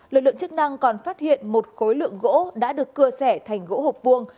lực lượng chức năng còn phát hiện một khối lượng gỗ đã được cưa sẻ thành gỗ hộp vuông